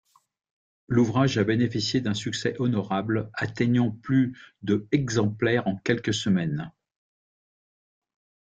L'ouvrage a bénéficié d'un succès honorable, atteignant plus de exemplaires en quelques semaines.